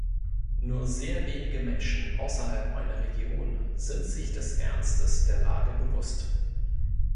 Nur sehr wenige Menschen außerhalb meiner Region sind sich des Ernstes der Lage bewusst.